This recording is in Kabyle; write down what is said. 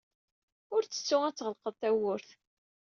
Ur ttettu ad tɣelqeḍ tawwurt.